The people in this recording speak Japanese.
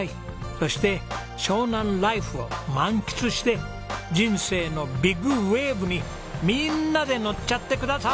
そして湘南ライフを満喫して人生のビッグウェーブにみんなで乗っちゃってください！